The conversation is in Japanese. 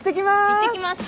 いってきます！